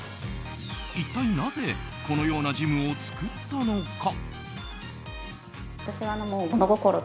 一体なぜこのようなジムを作ったのか。